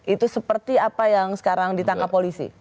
itu seperti apa yang sekarang ditangkap polisi